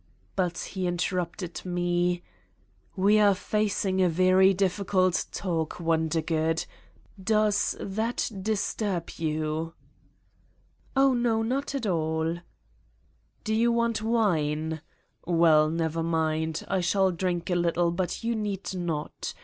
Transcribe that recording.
. But he interrupted me : "We are facing a very difficult talk, Wonder good? Does that disturb you!" "Oh, no, not at all" '' Do you want wine ? Well, never mind. I shall drink a little but you need not.